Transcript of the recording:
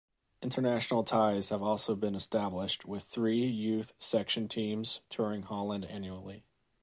International ties have also been established, with three youth section teams touring Holland annually.